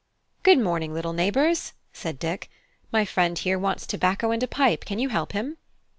"Good morning, little neighbours," said Dick. "My friend here wants tobacco and a pipe; can you help him?"